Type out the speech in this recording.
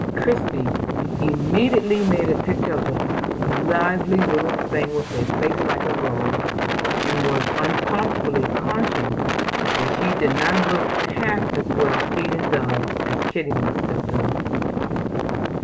Christie immediately made a picture of the "lively little thing" with a face "like a rose," and was uncomfortably conscious that she did not look half as well feeding doves as Kitty must have done.